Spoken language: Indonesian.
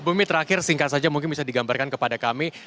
bumi terakhir singkat saja mungkin bisa digambarkan kepada kami